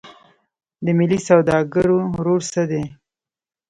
د ملي سوداګرو رول څه دی؟